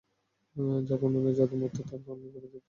যার বর্ণনার যাদুময়তা থেকে কান পরিতৃপ্ত হয় না।